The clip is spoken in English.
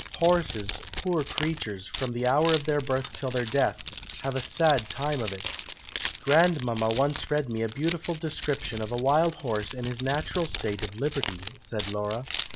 Horses, poor creatures, from the hour of their birth till their death, have a sad time of it!" "Grandmama once read me a beautiful description of a wild horse in his natural state of liberty," said Laura.